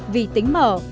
vì tính mở